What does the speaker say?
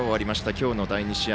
今日の第２試合。